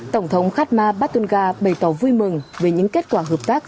tổng thống khan ma bát tôn ga bày tỏ vui mừng về những kết quả hợp tác